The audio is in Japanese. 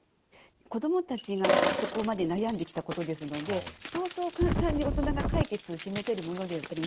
子どもたちがそこまで悩んできたことですのでそうそう簡単に大人が解決を示せるものではやっぱりないんですね。